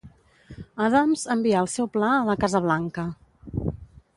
Adams envià el seu pla a la Casa Blanca.